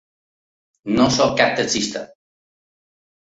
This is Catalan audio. No sóc cap taxista.